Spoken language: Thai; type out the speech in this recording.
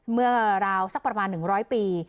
เมื่อราวสักประมาณ๑๐๐ปี